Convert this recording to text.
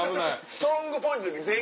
ストロングポイントの時全員。